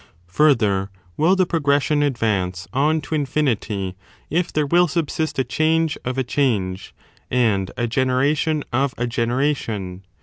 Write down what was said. Further will the progression advance on to infinity, if there will subsist a change of a change,^ ckse'S^SStira and a generation of a generation.